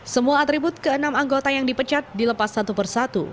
semua atribut ke enam anggota yang dipecat dilepas satu persatu